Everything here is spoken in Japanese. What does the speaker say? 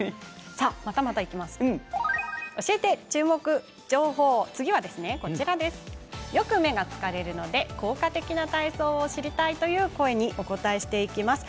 続いては、よく目が疲れるので効果的な体操を知りたいという声にお答えしていきます。